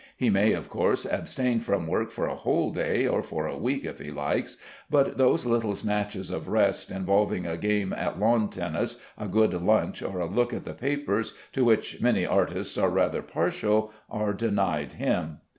He may of course abstain from work for a whole day, or for a week if he likes, but those little snatches of rest, involving a game at lawn tennis, a good lunch, or a look at the papers, to which many artists are rather partial, are denied him.